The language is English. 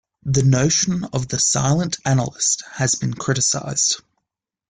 The notion of the "silent analyst" has been criticized.